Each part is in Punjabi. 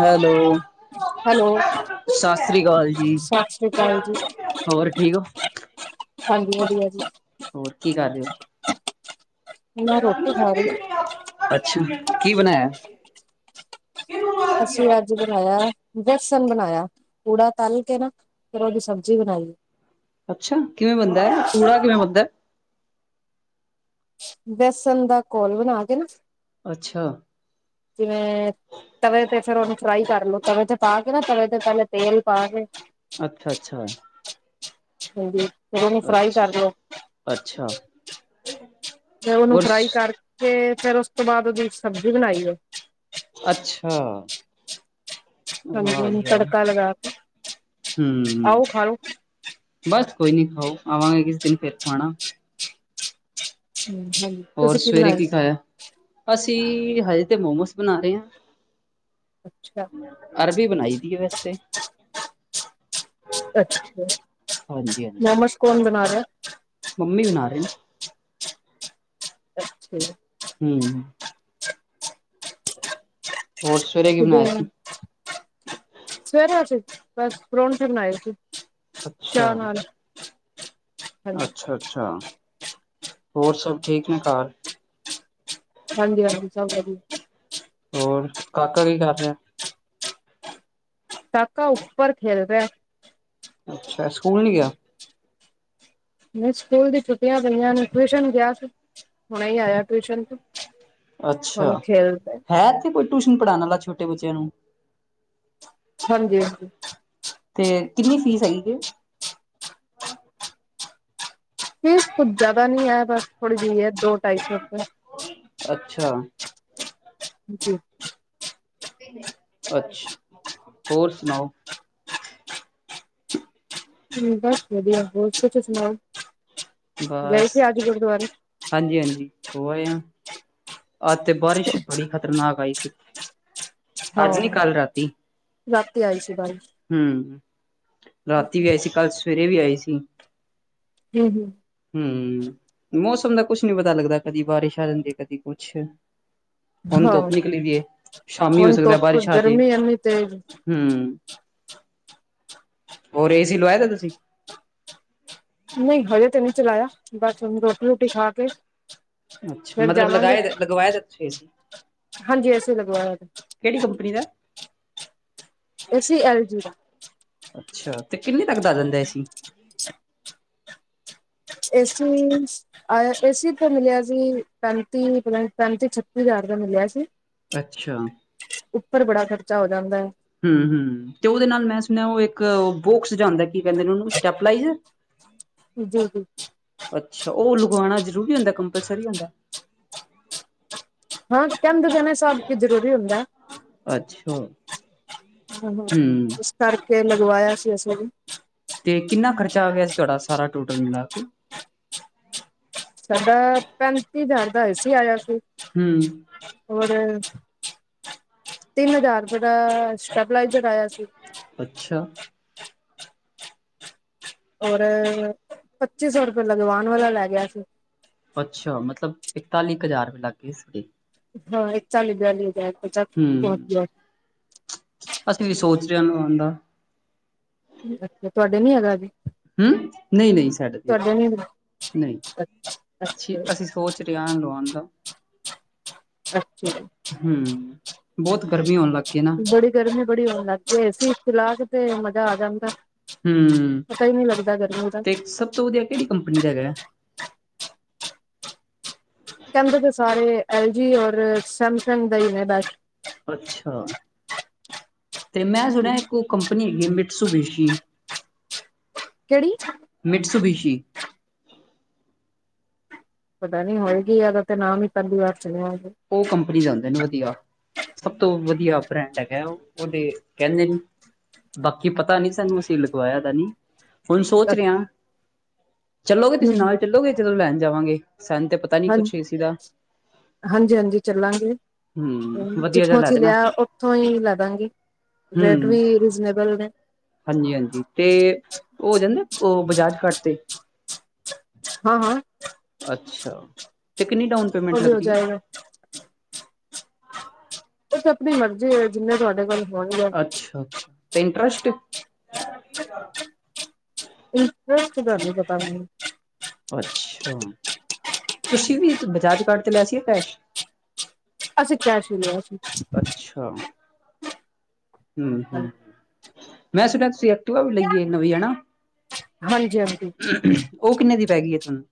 ਹੈਲੋ ਹੈਲੋ ਸਤਿ ਸ੍ਰੀ ਅਕਾਲ ਜੀ, ਸਤਿ ਸ੍ਰੀ ਅਕਾਲ ਜੀ ਹੋਰ ਠੀਕ? [unintelligible] ਹਾਂਜੀ, ਵਧੀਆ ਜੀ ਹੋਰ ਕੀ, ਕਰ ਰਹੇ? ਮੈਂ ਰੋਟੀ ਖਾ ਰਹੀ ਸੀਂ। ਅੱਛਾ, ਕੀ ਬਣਾਇਆ? ਅਸੀਂ ਅੱਜ, ਬਣਾਇਆ ਬੇਸਣ ਬਣਾਇਆ ਪੂੜਾ ਤਲ ਕੇ ਨਾ ਫੇਰ ਉਹ ਦੀ ਸਬਜ਼ੀ ਬਣਾਈ ਅੱਛਾ, ਪੂੜਾ ਕਿਵੇਂ ਬਣਦਾ ਹੈ ਪੂੜਾ ਕਿਵੇਂ ਬਣਦਾ ਦਾ ਬੇਸਣ ਦਾ, ਘੋਲ ਬਣਾ ਕੇ ਨਾ ਅੱਛਾ। ਜਿਵੇਂ ਤਵੇ ਤੇ ਫਿਰ, ਉਹਨੂੰ ਫਰਾਈ ਕਰ ਲਓ, ਤਵੇ ਤੇ ਪਾ ਕੇ ਨਾ ਤਵੇ ਤੇ, ਪਹਿਲੇ ਤੇਲ ਪਾ ਕੇ ਅੱਛਾ -ਅੱਛਾ ਹਾਂਜੀ। ਉਹਨੂੰ ਫਰਾਈ ਅੱਛਾ ਕਰ ਲੋ -ਅੱਛਾ ਤੇ ਉਹਨੂੰ ਹੋਰ ਫਰਾਈ ਕਰਕੇ, ਫੇਿਰ ਉਸ ਤੋਂ ਬਾਅਦ, ਉਹਦੀ ਸਬਜ਼ੀ ਬਣਾਈ ਅੱਛਾ ਹਾਂਜੀ, ਤੜਕਾ ਲਗਾ ਕੇ ਹਮ, ਆਓ ਖਾ ਲੋ ਬਸ ਕੋਈ ਨੀ ਖਾਓ, ਆਵਾਂਗੇ ਕਿਸ ਦਿਨ ਫੇਰ ਖਾਣਾ ਹਾਂਜੀ ਹੋਰ ਤੁਸੀਂ ਸਵੇਰੇ ਬਣਾਇਆ ਕੀ ਖਾਇਆ, ਅਸੀਂ ਹਜੇ ਤੇ ਮੋਮੋਸ ਬਣਾ ਰਹੇ ਹਾਂ ਅੱਛਾ। ਅਰਬੀ, ਬਣਾਈ ਦੀ ਹੈ ਵੈਸੇ ਤੇ ਅੱਛਾ, ਹਾਂਜੀ ਹਾਂਜੀ ਮੋਮੋਜ਼ ਕੌਣ ਬਣਾ ਰਿਹਾ? ਮੰਮੀ, ਬਣਾ ਰਹੀ ਠੀਕ ਐ ਹਮ ਹੋਰ ਕੀ ਬਣਾਇਆ ਸਵੇਰੇ ਸੀ ਅਸੀਂ, ਬਸ ਪ੍ਰੌਠੇ, ਬਣਾਏ ਸੀ। ਚਾ ਅੱਛਾ ਨਾਲ ਹਾਂਜੀ ਅੱਛਾ -ਅੱਛਾ ਹੋਰ ਸਭ ਠੀਕ ਨੇ ਕਾਰ? ਹਾਂਜੀ-ਹਾਂਜੀ ਸਬ ਰੇਡੀ ਹੋਰ, ਕਾਕਾ ਕੀ ਕਰ ਰਿਹਾ? ਕਾਕਾ ਉੱਪਰ ਖੇਲ ਰਿਐ। ਅੱਛਾ, ਸਕੂਲ ਨੀ ਗਿਆ? ਨਈ ਸਕੂਲ ਦੀ ਛੁੱਟੀਆਂ ਪਈਆਂ ਨੇ, ਟਿਊਸ਼ਨ ਗਿਆ ਸੀ, ਹੁਣੇ ਈ ਆਇਆ ਟਿਊਸ਼ਨ ਤੋਂ। ਅੱਛਾ, ਹੁਣ ਖੇਲ ਰਿਹਾ ਹੈ ਇੱਥੇ ਕੋਈ ਟਿਊਸ਼ਨ ਪੜ੍ਹਾਣ ਆਲਾ ਛੋਟੇ ਬੱਚਿਆਂ ਨੂੰ? ਹਾਂਜੀ-ਹਾਂਜੀ। ਤੇ ਕਿੰਨੀ ਫੀਸ ਹੈਗੀ ਏ? [inaudible] ਫ਼ੀਸ ਕੁੱਝ ਜਾਦਾ ਨੀ ਐ ਬਸ ਥੋੜ੍ਹੀ ਜੀ ਐ, ਦੋ-ਢਾਈ ਸੌ ਰੁਪਏ। ਅੱਛਾ। ਜੀ। ਅੱਛ, ਹੋਰ ਸੁਣਾਓ? ਬਸ ਵਧੀਆ, ਹੋਰ ਤੁਸੀ ਸੁਣਾਓ? ਗਏ ਬਾਸ, ਸੀ ਅੱਜ ਗੁਰਦੁਆਰੇ ਹਾਂਜੀ-ਹਾਂਜੀ ਹੋ ਆਏ ਆ। ਅਜ ਤੇ ਬਾਰਿਸ਼, ਬੜੀ ਖ਼ਤਰਨਾਕ ਆਈ ਸੀ। ਅੱਜ ਨੀ ਹਾਂ, ਕੱਲ ਰਾਤੀ ਆਈ ਸੀ ਬਾਰਿਸ਼। ਹੂੰ, ਰਾਤੀ ਵੀ ਆਈ ਸੀ, ਕੱਲ ਸਵੇਰੇ ਵੀ ਆਈ ਸੀ। ਹੂੰ-ਹੂੰ। ਹੂੰ, ਮੌਸਮ ਦਾ ਕੁਛ ਨੀ ਪਤਾ ਲੱਗਦਾ, ਕਦੀ ਬਾਰਿਸ਼ ਆ ਜਾਂਦੀ ਐ, ਕਦੀ ਕੁਛ। ਹੁਣ ਹਾਂ ਧੁੱਪ ਨਿਕਲੀ ਦੀ ਏ, ਸ਼ਾਮੀ ਹੋ ਹੁਣ ਸਕਦਾ ਧੁੱਪ ਬਾਰਿਸ਼ ਆਜੇ, ਗਰਮੀ ਇੰਨੀ ਤੇਜ਼ ਹੂੰ। ਹੋਰ ਏ ਸੀ ਲਵਾਏ ਦਾ ਤੁਸੀਂ? ਨਈ ਹਜੇ ਤੇ ਨੀ ਚਲਾਇਆ, ਬਸ ਹੁਣ ਰੋਟੀ-ਰੂਟੀ ਖਾ ਕੇ। ਅੱਛਾ ਫਿਰ ਮਤਲਬ ਜਾਵਾਂਗੇ, ਲਗਾਏ ਦਾ ਲਗਵਾਏ ਦਾ ਤੁਸੀਂ ਏਸੀ ਹਾਂਜੀ ਏ ਸੀ ਲਗਿਆ ਹੋਇਆ ਜੇ। ਕਿਹੜੀ ਕੰਪਨੀ ਦਾ? ਏ ਸੀ, ਐਲ ਜੀ ਦਾ। ਅੱਛਾ ਤੇ ਕਿੰਨੇ ਤੱਕ ਦਾ ਆ ਜਾਂਦਾ ਏ ਸੀ? ਏ ਸੀ ਆ, ਏ ਸੀ ਤੇ ਮਿਲਿਆ ਸੀ, ਪੈਂਤੀ ਪਤਾ ਨੀ, ਪੈਂਤੀ-ਛੱਤੀ ਹਜ਼ਾਰ ਦਾ ਮਿਲਿਆ ਸੀ। ਅੱਛਾ। ਉੱਪਰ ਬੜਾ ਖ਼ਰਚਾ ਹੋ ਜਾਂਦੈ। ਹੂੰ-ਹੂੰ ਤੇ ਓਦੇ ਨਾਲ ਮੈਂ ਸੁਣਿਆ ਓ ਇੱਕ, ਬੋਕਸ ਜਿਹਾ ਹੁੰਦੈ, ਕੀ ਕੈਂਦੇ ਨੇ ਓਹਨੂੰ ਸਟੈਪਲਾਈਜ਼? [inaudible] ਦੇ ਵਿਚ। ਅੱਛਾ, ਓ ਲੁਗਵਾਣਾਂ ਜਰੂਰੀ ਹੁੰਦਾ, ਕੰਪਲਸਰੀ ਹੁੰਦਾ? ਹਾਂ ਕੈਂਦੇ ਪਏ ਨੇ ਸਭ, ਕੀ ਜ਼ਰੂਰੀ ਹੁੰਦੈ। ਅੱਛਾ। ਹਾਂ-ਹਾਂ, ਹੂੰ ਇਸ ਕਰਕੇ ਲਗਵਾਇਆ ਸੀ ਅਸੀ ਵੀ। ਤੇ ਕਿੰਨਾ ਖਰਚਾ ਆ ਗਿਆ ਸੀ ਤੁਹਾਡਾ ਸਾਰਾ ਟੋਟਲ ਮਿਲਾ ਕੇ? ਸਾਡਾ ਪੈਂਤੀ ਹਜ਼ਾਰ ਦਾ ਏ ਸੀ ਆਇਆ ਸੀ। ਹੂੰ ਔਰ ਤਿੰਨ ਹਜ਼ਾਰ ਰੁਪਏ ਦਾ, ਸਟੈਪਲਾਈਜ਼ਰ ਆਇਆ ਸੀ। ਅੱਛਾ। ਔਰ ਪੱਚੀ ਸੌ ਰੁਪਏ ਲਗਵਾਨ ਵਾਲਾ ਲੈ ਗਿਆ ਸੀ। ਅੱਛਾ, ਮਤਲਬ ਇਕਤਾਲੀ ਕੁ ਹਜ਼ਾਰ ਲੱਗ ਗਏ ਸੀਗੇ। ਹਾਂ, ਇਕਚਾਲੀ-ਬੇਆਲੀ ਹਜ਼ਾਰ। ਪਚਾਸ ਪਹੁੰਚ ਹੂੰ, ਗਿਆ ਅਸੀਂ ਵੀ ਸੋਚ ਰ‌ਏ ਆ, ਲਵਾਣ ਦਾ। ਅੱਛਾ, ਤੁਹਾਡੇ ਨੀ ਹੈਗਾ ਅਬੀ? ਹੂੰ ਨਈ-ਨਈ ਸਾਡੇ ਦੀਆ ਨਈ - ਨਈ ਛੀ ਅੱਛਾ ਅਸੀ, ਸੋਚ ਰਿਆ ਲਵਾਨ ਦਾ, ਅੱਛਾ ਜੀ। ਹੂੰ ਬੋਤ ਗਰਮੀ ਹੋਣ ਲਾਗੀ ਨਾ, ਬੜੀ ਗਰਮੀ ਬੜੀ ਹੋਣ ਲੱਗ ਪਈ ਏ -ਏ ਸੀ ਚਲਾ ਕੇ ਤੇ ਮਜ਼ਾ ਆ ਜਾਂਦਾ। ਹੁ ਪਤਾ ਹੀ ਨਹੀਂ ਲੱਗਦਾ ਗਰਮੀ ਦਾ ਤੇ ਸਭ ਤੋਂ ਵੱਧੀਆ ਕਿਹੜੀ ਕੰਪਨੀ ਦਾ ਹੈਗਾ, ਕਹਿੰਦੇ ਤੇ ਸਾਰੇ ਐਲ ਜੀ, ਔਰ ਸੈਮਸੰਗ, ਦਾ ਹੀ ਨੇ ਬੈਸਟ। ਅੱਛਾ, ਤੇ ਮੈਂ ਸੁਣਿਆ ਇੱਕ ਉਹ ਕੰਪਨੀ ਹੈਗੀ ਮਿਰਟਸੂਸ਼ਬੇਸ਼ੀ, ਕਿਹੜੀ ਮਿੱਠ ਸੁ ਬੀਸ਼ੀ ਪਤਾ ਨੀ ਹੋਏਗੀ ਅਹਿਦਾ ਤੇ ਨਾਮ ਵੀ ਪਹਿਲੀ ਵਾਰ ਸੁਣਿਆ, ਉਹ ਕੰਪਨੀ ਦੇ ਹੁੰਦੇ ਨੇ ਵੱਧੀਆ, ਸਭ ਤੋਂ ਵਧੀਆ ਬ੍ਰੈਂਡ ਹੈਗਾ ਉਹਦੇ ਕਹਿੰਦੇ ਨੇ, ਬਾਕੀ ਪਤਾ ਨੀ ਸਾਨੂੰ ਅਸੀਂ ਲਗਵਾਇਆ ਦਾ ਨੀ, ਹੁਣ ਸੋਚ ਰਿਹਾ, ਚੱਲੋਗੇ ਤੁਸੀਂ ਨਾਲ ਹਾਂ ਚੱਲੋਗੇ, ਜਦੋਂ ਲੈਣ ਜਾਵਾਂਗੇ ਸਾੰਨੂ ਤੇ ਪਤਾ, ਨੀ ਹਾਂ ਕੁਛ ਏਸੀ ਦਾ ਹਾਂਜੀ -ਹਾਂਜੀ ਚੱਲਾਂਗੇ। ਹੂੰ ਹਾਂ ਵਧੀਆ ਜਿਹਾ ਜਿੱਥੋਂ ਲੈ ਅਸੀਂ ਦੇਣਾ ਲਿਆ, ਉੱਥੋਂ ਹੀ ਲੈਦਾਗੀ, ਹੂੰ ਰੇਟ ਵੀ ਰੀਜਨੇਬਲ ਨੇ, ਹਾਂਜੀ- ਹਾਂਜੀ ਤੇ ਹੋ ਜਾਂਦੇ ਉਹ ਬਜਾਜ ਕਾਰਟ ਤੇ, ਹਾਂ- ਹਾਂ। ਅੱਛਾ, ਤੇ ਕਿੰਨੀ ਡਾਊਨ ਪੇਮੈਂਟ ਉਹ ਵੀ ਹੋ ਲੱਗਦੀ ਐ, ਜਾਏਗਾ ਤੁਸੀਂ ਆਪਣੀ ਮਰਜ਼ੀ ਹੈ ਜਿੰਨੇ ਤੁਹਾਡੇ ਕੋਲ ਹੋਣਗੇ ਅੱਛਾ- ਅੱਛਾ ਤੇ ਇੰਟਰਰਸਟ ਇੰਟਰਰਸਟ ਦਾ ਨਹੀਂ ਪਤਾ ਮੈਨੂੰ, ਅੱਛਾ, ਤੁਸੀਂ ਵੀ ਬਜਾਜ ਕਾਰਡ ਤੇ ਲਿਆ ਸੀ ਪੈਸ਼ ਅਸੀਂ ਕੈਸ਼ ਹੀ ਲਿਆ ਸੀ। ਅੱਛਾ। ਹਮ ਹਮ ਹਾਂਜੀ ਮੈਂ ਸੁਣਿਆ ਤੁਸੀਂ ਆ, ਐਕਟਿਵਾ ਵੀ ਲਈਏ ਨਵੀਂ ਹੈਨਾ, ਹਾਂਜੀ ਹਾਂਜੀ ਹੁਹੁ, ਉਹ ਕਿੰਨੇ ਦੀ ਪੈ ਗਈ ਹੈ ਤੁਹਾਨੂੰ,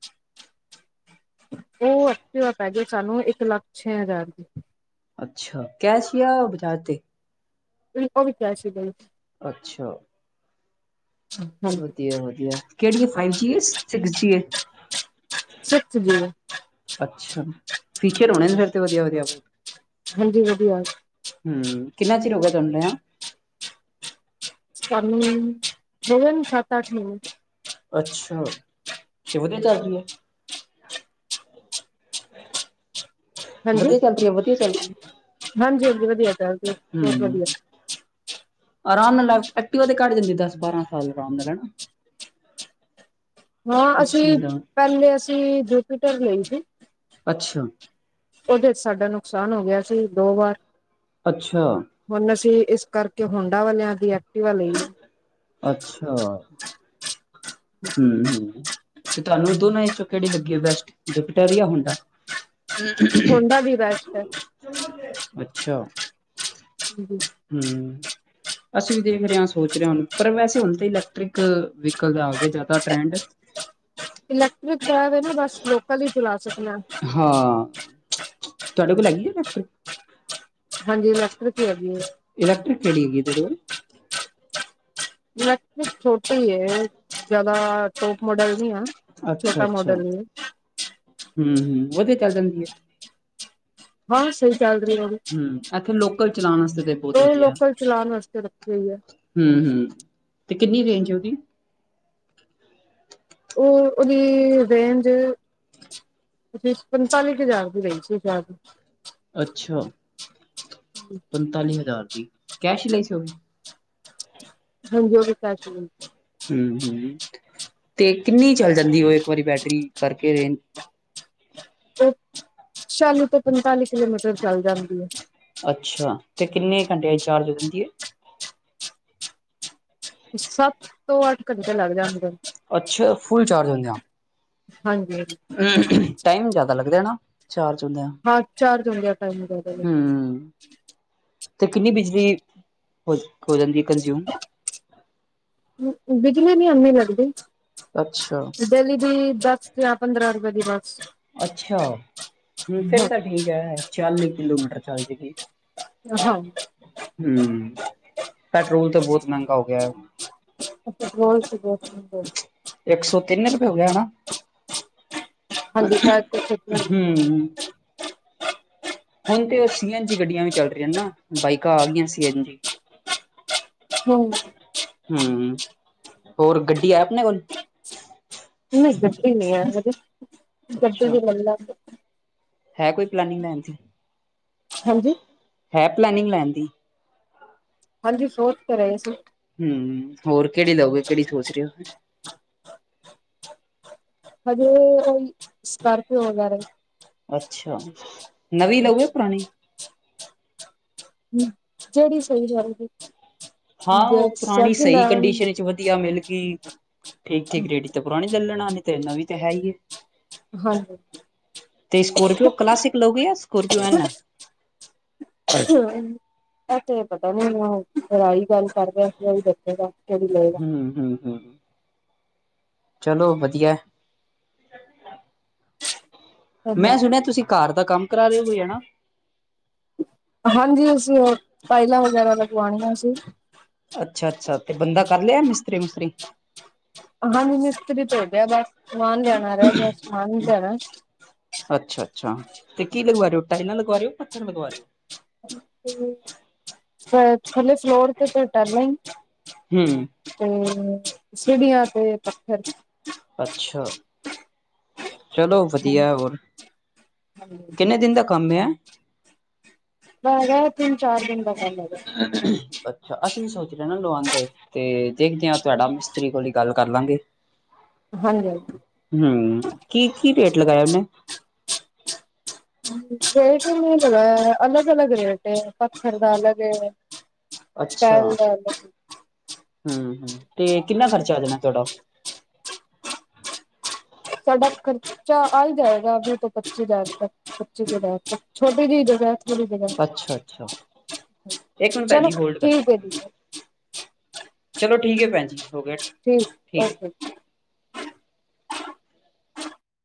ਉਹ ਐਕਟਿਵਾ ਪੈ ਗਿਆ, ਸਾਨੂੰ ਇੱਕ ਲੱਖ ਛੇ ਹਜ਼ਾਰ ਦੀ। ਅੱਛਾ, ਕੈਸ਼ ਜਾ ਬਜਾਜ ਤੇ? ਨਹੀ, ਆਪਾ ਵੀ ਕੈਸ਼ ਹੀ ਲਈ ਸੀ। ਅੱਛਾ। ਹਾਂਜੀ ਵਧੀਆ, ਵਧੀਆ ਕਿਹੜੀ ਹੈ ਫਾਈਵ ਜੀ ਸਿਖਸ ਜੀ ਏ, ਸਿਖਸ ਜੀ ਏ। ਅੱਛਾ, ਫੀਚਰ ਹੋਣੇ ਨੇ ਫਿਰ ਤੇ ਵੱਧੀਆ -ਵੱਧੀਆ, ਹਾਂਜੀ, ਵੱਧੀਆ। ਹਮ, ਕਿੰਨਾ ਚਿਰ ਹੋ ਗਿਆ ਤੁਹਾਨੂ ਲਿਆ ਨੂੰ, ਸਾਨੂ ਹੋ ਗਏ ਨੇ ਸਤ -ਅੱਠ ਮਹੀਨੇ। ਅੱਛਾ, ਤੇ ਵੱਧੀਆ ਚੱਲ ਰਹੀ ਏ, [unintelligible] ਹਾਂਜੀ ਵੱਧੀਆ ਚੱਲ ਰਹੀ ਹੈ, ਵੱਧੀਆ ਚੱਲ ਰਹੀ ਹਾਂਜੀ ਹਾਂਜੀ ਵਧੀਆ ਚੱਲਦੀ ਬਹੁਤ ਹਮ। ਵਧੀਆ ਆਰਾਮ ਨਾਲ ਐਕਟਿਵਾ ਤੇ ਕੱਢ੍ ਜਾਂਦੀ ਦਸ ਬਾਰਾਂ ਸਾਲ ਆਰਾਮ ਦੇ ਨਾਲ, ਹਾਂ ਕੁਛ ਅਸੀਂ ਨੀ ਦਾ ਪਹਿਲੇ ਅਸੀਂ ਜੁਪੀਟਰ ਲਈ ਸੀ, ਅੱਛਾ। ਉਹਦੇ ਚ ਸਾਡਾ ਨੁਕਸਾਨ ਹੋ ਗਿਆ ਸੀ ਦੋ ਵਾਰ ਅੱਛਾ। ਹੁਣ ਅਸੀਂ, ਇਸ ਕਰਕੇ ਹੋਂਡਾਂ ਵਾਲਿਆਂ ਦੀ, ਐਕਟੀਵਾ ਲਈ। ਅੱਛਾ। ਹਮ ਹ, ਤੇ ਤੁਹਾਨੂੰ ਦੋਨਾ ਚੋਂ, ਕਿਹੜੀ ਲੱਗੀ ਆ ਬੈਸਟ, ਜੁਪੀਟਰ ਜਾ ਹੁੰਡਾ? ਹੋਂਡਾ ਦੀ ਬੈਸਟ ਹੈ ਅੱਛਾ। ਹਮ [unintelligible] ਹਮ [unintelligible] ਅਸੀਂ ਵੀ ਦੇਖ ਰਹੇ ਹਾਂ, ਸੋਚ ਰਹੇ ਹ, ਪਰ ਵੈਸੇ ਹੁਣ ਤਾਂ, ਇਲੈਕਟ੍ਰਿਕ ਵਿਕਲ ਆ ਗਏ ਟਰੈਂਡ। ਇਲੈਕਟ੍ਰਿਕ ਹੈ ਨਾ, ਬਸ ਲੋਕਲ ਹੀ ਚਲਾ ਸਕਦੇ ਹਾ। ਹਾਂ, ਤੁਹਾਡੇ ਕੋਲ ਹੈਗੀ ਹਾ, ਫੈਕਟਰੀ। ਹਾਂਜੀ, ਇਲੈਕਟਰਿਕ ਹੈਗੀ ਹੈ। ਇਲੈਟ੍ਰਿਕ ਕਿਹੜ ਹੈਗੀ, ਤੁਹਾਡੇ ਕੋਲ। ਇਲੈਕਟਰਿਕ ਛੋਟੇ ਹੀ ਹੈ, ਜ਼ਿਆਦਾ ਟੋਪ ਮੋਡਲ ਨੀ ਆ। ਛੋਟਾ ਮੋਡਲ ਏ। ਹਮ, ਹਮ ਵਧੀਆ ਚੱਲ ਜਾਂਦੀ ਹੈ। ਹਾਂ, ਸਹੀ ਚਲ ਰਿ ਓ। ਹਮ, ਇੱਥੇ ਲੋਕਲ ਚਲਾਉਣ ਵਾਸਤੇ ਤੇ ਬਹੁਤ ਉਹ ਵਧੀਆ। ਲੋਕਲ ਚਲਾਉਣ ਵਾਸਤੇ ਰੱਖੀ ਹੋਈ ਹੈ ਹਮ-ਹਮ ਅਤੇ ਕਿੰਨੀ ਰੇਂਜ ਉਹਦੀ? ਉਹ, ਉਹਦੀ ਰੇਂਜ ਓਦੇ ਚ ਪੰਤਾਲੀ ਕੁ ਹਜ਼ਾਰ ਦੀ ਰਹੀ ਸੀ ਸ਼ਦ। ਅੱਛਾ, ਪੰਤਾਲੀ ਹਜ਼ਾਰ ਦੀ ਕੈਸ਼ ਲਈ ਸੀ, ਉਹ। ਹਾਂਜੀ, ਉਹ ਵੀ ਕਹਿ ਚੁੱਕੇ। ਹਮ ਹਮ ਤੇ ਕਿੰਨੀ ਚੱਲ ਜਾਂਦੀ ਉਹ ਇੱਕ ਵਾਰੀ ਬੈਟਰੀ ਕਰਕੇ ਰੇ। ਉਹ ਚਾਲੀ ਤੋਂ ਪੰਤਾਲੀ ਕਿਲੋਮੀਟਰ ਚੱਲ ਜਾਂਦੀ ਹੈ। ਅੱਛਾ, ਤੇ ਕਿੰਨੇ ਘੰਟਿਆਂ ਚ ਚਾਰਜ ਹੋ ਜਾਂਦੀ ਹੈ। ਸੱਤ ਤੋਂ ਅੱਠ ਘੰਟੇ ਲੱਗ ਜਾਂਦੇ। ਅੱਛਾ, ਫੁਲ ਚਾਰਜ ਹੁੰਦੇ ਹ। ਹਾਂਜੀ। ਟਾਈਮ ਜਿਆਦਾ ਲੱਗਦਾ ਹੈ, ਨਾ। ਚਾਰ ਹੋਂਦਿਆਂ ਹਾਂ ਚਾਰਜ ਹੁੰਦੇ ਆ ਟਾਈਮ ਜ਼ਿਆਦਾ ਹਮ। ਅਤੇ ਕਿੰਨੀ ਬਿਜਲੀ, ਹੋ-ਹੋ ਜਾਂਦੀ ਕੰਜ਼ਿਊਮ। ਬਿਜਲੀ ਨੀ ਆਨੀ ਲੱਗਦੀ। ਅੱਛਾ। ਡਲੀ ਦੀ ਦੱਸ ਜਾਂ ਪੰਦਰਾਂ ਰੁਪਏ ਦੀ ਬੱਸ। ਅੱਛਾ, ਹ ਫਿਰ ਤਾਂ ਠੀਕ ਹੈ, ਚਾਲੀ ਕਿਲੋਮੀਟਰ ਚੱਲ ਜਾਗੀ। ਹਾਂ। ਹਮ, ਪੈਟਰੋਲ ਤਾਂ ਬਹੁਤ ਮਹਿੰਗਾ ਹੋ ਗਿਆ। ਫੁਟਬਲ ਸ ਬਹੁਤ-ਬਹੁਤ। ਇੱਕ ਸੌ ਤਿੰਨ ਰੁਪਏ, ਹੋ ਗਿਆ ਹਨਾ। ਹਾਂਜੀ ਸ਼ਾਇਦ ਕੁਛ ਇਸ ਤਰ੍ਹਾਂ ਹਮ ਹ। ਹੁਣ ਤੇ ਉਹ ਸੀ ਐਨ ਜੀ ਗੱਡੀਆਂ ਵੀ ਚੱਲ ਰਹੀਆਂ ਨਾ, ਬਾਈਕਾਂ ਆ ਗਈਆਂ, ਸੀ ਐਨ ਜੀ। ਹਮ। ਹਮ ਹੋਰ ਗੱਡੀ ਆਇ ਆਪਣੇ ਕੋਲ। ਨਹੀਂ ਗੱਡੀ ਨਹੀਂ ਹਜੇ, ਗੱਡੀ ਅੱਛਾ ਵੀ ਲੈ ਲੈਸੀ। ਹੈ ਕੋਈ ਪਲੇਨਿੰਗ ਲੈਣ ਦੀ। ਹਾਂਜੀ। ਹੈ ਪਲੈਨਿੰਗ ਲੈਣ ਦੀ। ਹਾਂਜੀ ਸੋਚ ਤੇ ਰਹੇ ਸੀ। ਹਂ, ਹੋਰ ਕਿਹੜੀ ਲਓਗੇ ਕਿਹੜੀ ਸੋਚ ਰਹੇ ਔ ਫਿਰ। ਹਜੇ ਉਹੀ ਸਕਾਰਪੀਓ ਵਗੈਰਾ। ਅੱਛਾ ਨਵੀਂ ਲਉਗੇ ਪੁਰਾਣੀ। ਹਂ, ਜਿਹੜੀ ਸਹੀ ਗੱਲ ਲ [unintelligible] ਹਾਂ ਉਹ ਪੁਰਾਣੀ ਸਹੀ ਕੰਡੀਸ਼ਨ ਚ ਵਧ ਵਧੀਆ ਮਿਲਗੀ, ਠੀਕ-ਠੀਕ ਰੇਟੀ ਤੇ ਪੁਰਾਣੀ ਲਲ ਲੈਣਾ ਨਹੀਂ ਤੇ ਨਵੀਂ ਤੇ ਹੈ ਈਏ। ਹਾਂਜੀ ਤੇ ਸਕੋਰਪੀਓ ਕਲਾਸਿਕ ਲੋਗੇ ਜਾਂ ਸਕੋਰਪੀਓ ਏਨ। [unintelligible] ਇਥੇ ਪਤਾ ਨੀ ਮੈਂਨੂੰ ਏਈ ਗੱਲ ਕਰਦਾ ਏਈ ਦੱਸੇਗਾ ਕਿਹੜੀ ਲਏ ਹਂ, ਹਂ, ਹਂ ਚਲੋ ਵਧੀਆ ਐ। ਮੈਂ ਸੁਣਿਆ ਤੁਸੀਂ ਘਰ ਦਾ ਕੰਮ ਕਰਾ ਰੇ ਔ ਕੋਈ ਹਨਾਂ। ਹਾਂਜੀ, ਅਸੀਂ ਹੋਰ ਟਾਇਲਾਂ ਵਗੈਰਾ ਲਗਵਾਣੀਆਂ ਸੀ। ਅੱਛਾ ਅੱਛਾ ਤੇ ਬੰਦਾ ਕਰ ਲਿਆ ਮਿਸਤਰੀ-ਮੁਸਤਰੀ ਹਾਂਜੀ ਮਿਸਤਰੀ ਭੇਜਿਆ ਬਸ ਸਮਾਨ ਲਿਆਣਾ ਰਿਹ ਗਿਆ ਸਮਾਨ ਲਿਆਣਾ। ਅੱਛਾ ਅੱਛਾ ਤੇ ਕੀ ਲਗਵਾ ਰਹੇ ਔ, ਟਾਇਲਾਂ ਲਗਵਾ ਰਹੇ ਔ, ਪੱਥਰ ਲਗਵਾ ਰਹੇ ਔ। [inaudible] ਫ ਥੱਲੇ ਫਲੋਰ ਤੇ ਤੇ ਟੈਲਾਂ ਈ। ਹੂੰ, ਤੇ ਸੀੜੀਆਂ ਤੇ ਪੱਥਰ ਅੱਛਾ। ਚਲੋ ਵਧੀਆ ਹੋਰ ਕਿੰਨੇ ਦਿਨ ਦਾ ਕੰਮ ਐ। ਬਗਾ ਹੈਗਾ ਤਿੰਨ-ਚਾਰ ਦਿਨ ਦਾ ਕੰਮ ਹੈਗਾ। ਅੱਛਾ ਅਸੀਂ ਵੀ ਸੋਚ ਰਹੇ ਨਾ ਲਵਾਂਦੇ। ਤੇ ਦੇਖਦੇ ਆਂ ਤੁਹਾਡਾ ਮਿਸਤਰੀ ਕੋਲ ਈ ਗੱਲ ਕਰ ਲਾਂਗੇ। ਹਾਂਜੀ ਹਾਂਜੀ। ਹਂ, ਕੀ-ਕੀ ਰੇਟ ਲਗਾਇਆ ਉਹਨੇ। ਰੇਟ ਨ੍ਹੀਂ ਲਗਾਆ ਅਲੱਗ ਅਲੱਗ ਰੇਟ ਐ, ਪੱਥਰ ਦਾ ਅਲਗ ਐ। ਅੱਛਾ। [unintelligible] ਹਂ, ਹਂ ਤੇ ਕਿੰਨਾ ਖਰਚਾ ਆ ਜਾਣਾ ਤੁਹਾਡਾ। ਸਾਡਾ ਖਰਚਾ ਆ ਈ ਜਾਏਗਾ ਵੀਹ ਤੋਂ ਪੱਚੀ ਹਜ਼ਾਰ ਤੱਕ। ਪੱਚੀ [unintelligible] ਛੋਟੀ ਜਿ ਜਗ੍ਹਾ। ਅੱਛਾ, ਅੱਛਾ ਇੱਕ [unintelligible] ਮਿੰਟ ਭੈਣ ਚਲੋ ਜੀ ਹੋਲਡ ਕਰਨਾ ਠੀਕ ਐ ਇੱਕ ਜੀ। ਮਿੰਟ ਚਲੋ ਠੀਕ ਐ ਭੈਣ ਜੀ ਹੋ ਗਿਆ। ਠੀਕ ਓਕੇ ਜੀ।